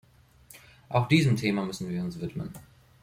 Auch diesem Thema müssen wir uns widmen.